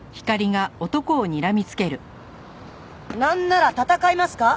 なんなら闘いますか？